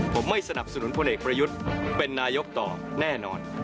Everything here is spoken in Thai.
ผมไม่สนับสนุนพลเอกประยุทธ์เป็นนายกต่อแน่นอน